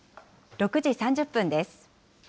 ６時３０分です。